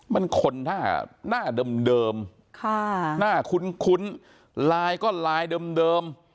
มันคนหน้าหน้าเดิมเดิมค่ะหน้าคุ้นคุ้นลายก็ลายเดิมเดิม